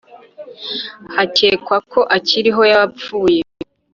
Hakekwa Ko Akiriho Yapfuye